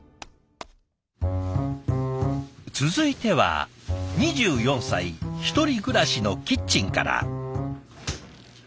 続いては２４歳１人暮らしのキッチンから。